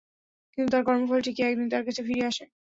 কিন্তু তার কর্মফল ঠিকই একদিন তার কাছে ফিরে আসে।